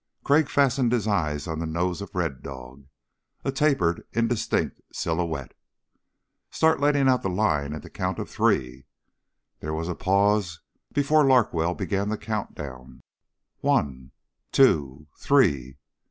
Crag fastened his eyes on the nose of Red Dog, a tapered indistinct silhouette. "Start letting out line at the count of three." There was a pause before Larkwell began the countdown. "One ... two ... three...."